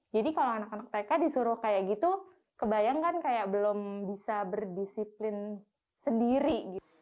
jadi kalau anak anak tk disuruh kayak gitu kebayangkan kayak belum bisa berdisiplin sendiri